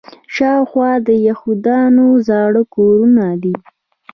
شاوخوا یې د یهودانو زاړه کورونه دي.